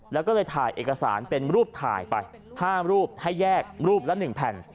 แล้วก็เลยถ่ายเอกสารเป็นรูปถ่ายไป๕รูปให้แยกรูปละ๑แผ่น